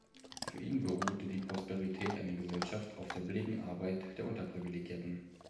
Für ihn beruhte die Prosperität einer Gesellschaft auf der billigen Arbeit der Unterprivilegierten.